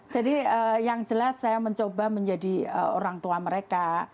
jadi yang jelas saya mencoba menjadi orang tua mereka